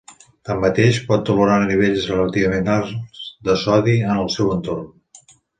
Tanmateix, pot tolerar nivells relativament alts de sodi en el seu entorn.